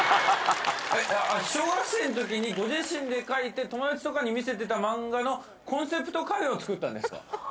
小学生のときに、ご自身で描いて友達とかに見せていたマンガのコンセプトカフェを作ったんですか？